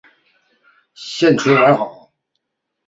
现存完好。